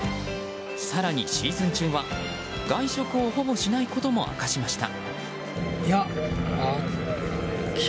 更に、シーズン中は外食をほぼしないことも明かしました。